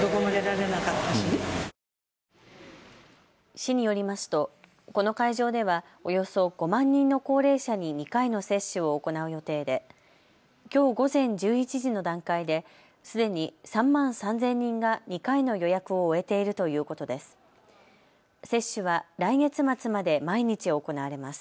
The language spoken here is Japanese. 市によりますとこの会場では、およそ５万人の高齢者に２回の接種を行う予定できょう午前１１時の段階ですでに３万３０００人が２回の予約を終えているということです。